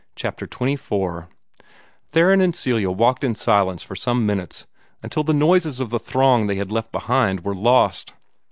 CHAPTER XXIV Theron and Celia walked in silence for some minutes, until the noises of the throng they had left behind were lost.